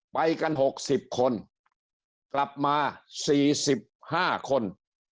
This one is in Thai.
ไปกัน๖๐คนกลับมา๔๕คน